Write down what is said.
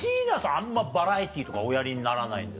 あんまバラエティーとかおやりにならないんですか？